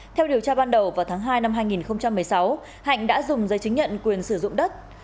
theo điều tra ban đầu vào tháng hai năm hai nghìn một mươi sáu hạnh đã dùng giấy chứng nhận quyền sử dụng đất